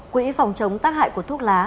quỹ phòng chống tác hại của thuốc lá